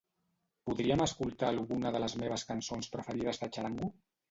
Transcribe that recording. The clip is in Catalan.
Podríem escoltar alguna de les meves cançons preferides de Txarango?